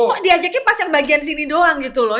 kok diajaknya pas yang bagian sini doang gitu loh